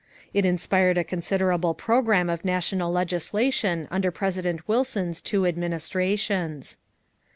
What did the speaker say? It inspired a considerable program of national legislation under President Wilson's two administrations.